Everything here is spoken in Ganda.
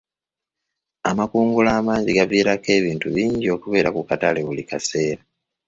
Amakungula amangi gaviirako ebintu bingi okubeera ku katale buli kaseera.